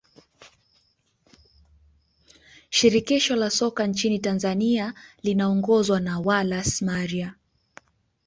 shirikisho la soka nchini Tanzania linaongozwa na wallace Maria